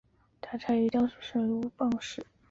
它产于江苏省如皋市。